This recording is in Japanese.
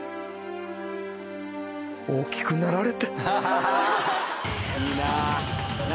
大きくなられて。